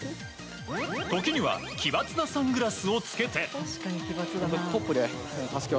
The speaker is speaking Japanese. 時には奇抜なサングラスを着けて。